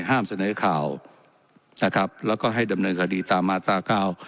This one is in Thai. เสนอข่าวนะครับแล้วก็ให้ดำเนินคดีตามมาตราเก้า